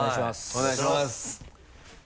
お願いします。